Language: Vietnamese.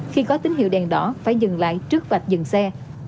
khi có tín hiệu đèn đỏ phải dừng lại trước vạch dừng xe